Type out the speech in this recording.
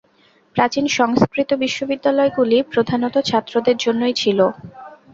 প্রাচীন সংস্কৃত বিশ্ববিদ্যালয়গুলি প্রধানত ছাত্রদের জন্যই ছিল।